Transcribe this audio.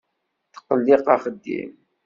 Tettqellib axeddim.